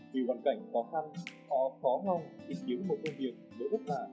vì hoàn cảnh khó khăn họ khó ngông tìm kiếm một công việc để ước mạng